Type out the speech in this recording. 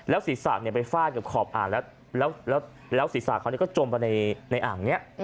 แล้วศีรษะนเนี่ยไปฟาดกับขอบอังแล้วศีรษะกันก็จมไปในอังเนี้ย